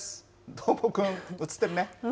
どーもくん、映ってるね。